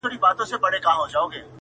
شناخت به کوو، کور ته به نه سره ځو.